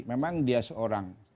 memang dia seorang